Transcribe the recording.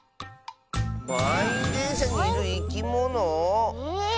まんいんでんしゃにいるいきもの？え？